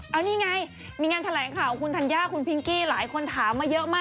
เอานี่ไงมีงานแถลงข่าวของคุณธัญญาคุณพิงกี้หลายคนถามมาเยอะมาก